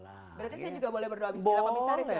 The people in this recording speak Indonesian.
berarti saya juga boleh berdoa bismillah pak misari ya pak